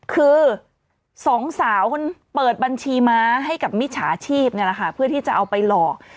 คือสองสาวคนเปิดบัญชีม้าให้กับมิจฉาชีพนี่แหละค่ะเพื่อที่จะเอาไปหลอก